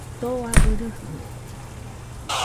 Too abɨ rɨjɨrede